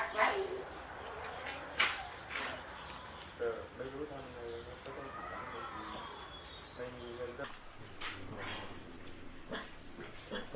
สวัสดีทุกคน